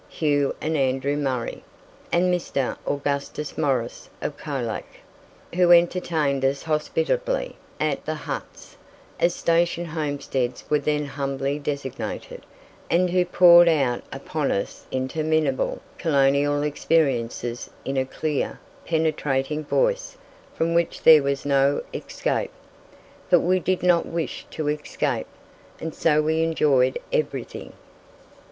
Hugh and Andrew Murray, and Mr. Augustus Morris, of Colac, who entertained us hospitably at "the huts" as station homesteads were then humbly designated and who poured out upon us interminable colonial experiences in a clear, penetrating voice from which there was no escape. But we did not wish to escape, and so we enjoyed everything.